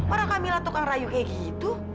orang kamila tukang rayu kayak gitu